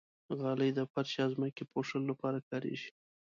غالۍ د فرش یا ځمکې پوښلو لپاره کارېږي.